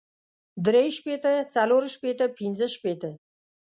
درې شپېته څلور شپېته پنځۀ شپېته